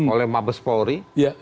oleh mabes polri